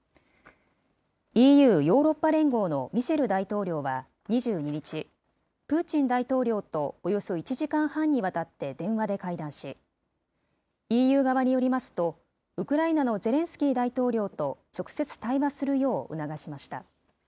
ＥＵ・ヨーロッパ連合のミシェル大統領は２２日、プーチン大統領とおよそ１時間半にわたって電話で会談し、ＥＵ側によりますと、ウクライナのゼレンスキー大統領と直接対話するよう促しました。